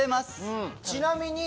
ちなみに。